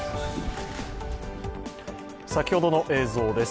先ほどの映像です。